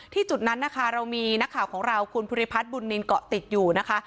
จุดนั้นนะคะเรามีนักข่าวของเราคุณภูริพัฒน์บุญนินเกาะติดอยู่นะคะ